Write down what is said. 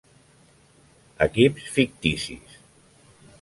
Equips ficticis: